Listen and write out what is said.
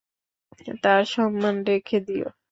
তার সম্মান রেখে দিও।